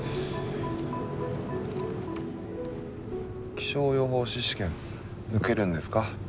気象予報士試験受けるんですか？